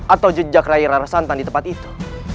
atau jejak air air santan di tempat itu